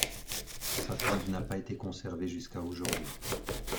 Sa tombe n'a pas été conservée jusqu'à aujourd'hui.